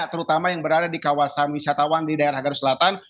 terutama yang berada di kawasan wisatawan di daerah garut selatan